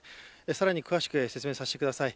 更に詳しく説明させてください。